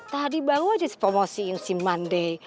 tadi baru aja dipromosiin si mandai